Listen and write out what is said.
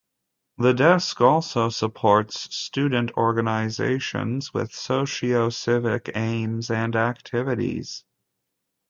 The desk also supports student organizations with socio-civic aims and activities.